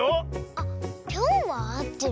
あっ「ぴょん」はあってる？